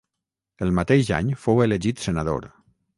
El mateix any fou elegit senador.